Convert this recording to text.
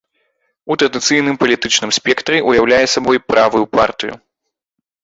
У традыцыйным палітычным спектры ўяўляе сабой правую партыю.